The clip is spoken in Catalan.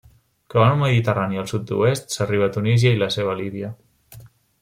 Creuant el Mediterrani al sud-oest s'arriba a Tunísia i la seva Líbia.